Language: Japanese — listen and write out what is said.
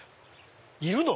いるの？